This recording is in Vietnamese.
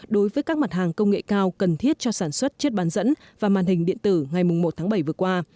đối với các mặt hàng công nghệ cao cần thiết cho sản xuất chất bán dẫn và màn hình điện tử ngày một tháng bảy vừa qua